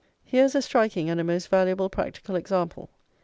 Here is a striking and a most valuable practical example.